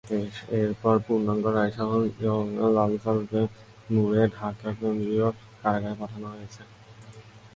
এরপর পূর্ণাঙ্গ রায়সহ মৃত্যু পরোয়ানা লালসালুতে মুড়ে ঢাকা কেন্দ্রীয় কারাগারে পাঠানো হয়।